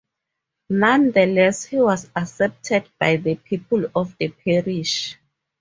Nonetheless he was accepted by the people of the parish.